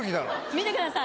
見てください。